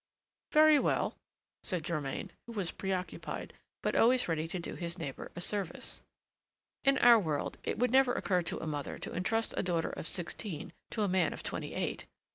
"Very well," said Germain, who was preoccupied, but always ready to do his neighbor a service. In our world, it would never occur to a mother to entrust a daughter of sixteen to a man of twenty eight!